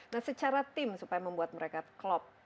nah secara tim supaya membuat mereka klop